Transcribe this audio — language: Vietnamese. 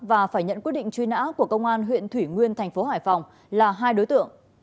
và phải nhận quyết định truy nã của công an huyện thủy nguyên thành phố hải phòng là hai đối tượng